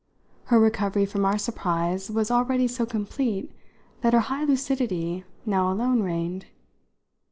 Her recovery from our surprise was already so complete that her high lucidity now alone reigned.